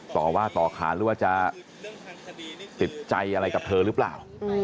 ต่อว่าต่อขานหรือว่าจะติดใจอะไรกับเธอหรือเปล่า